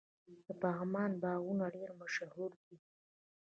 د پغمان باغونه ډیر مشهور دي.